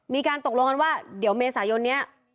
มีการตกลงกันว่าเดี๋ยวเมษายนนี้